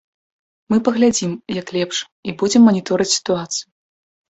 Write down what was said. Мы паглядзім, як лепш, і будзем маніторыць сітуацыю.